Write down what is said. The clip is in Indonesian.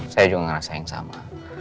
saya juga merasa yang sama